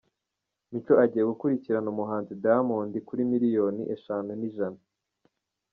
Mico agiye gukurikirana umuhanzi Diyamondi kuri miliyoni eshanu n’ijana